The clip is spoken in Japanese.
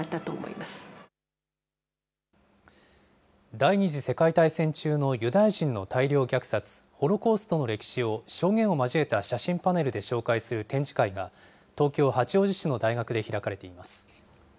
第２次世界大戦中のユダヤ人の大量虐殺、ホロコーストの歴史を証言を交えた写真パネルで紹介する展示会が、東京・八王子市の大学で開かれています。